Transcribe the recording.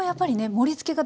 盛りつけ方